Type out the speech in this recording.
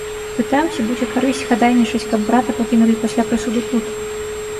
Пытаў, ці будзе карысць хадайнічаць, каб брата пакінулі пасля прысуду тут.